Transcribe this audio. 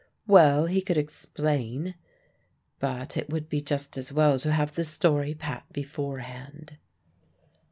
Well, he could explain; but it would be just as well to have the story pat beforehand.